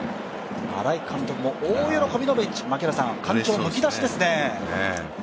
新井監督も大喜びのベンチ、感情むき出しですね。